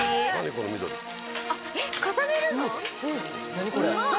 何これ。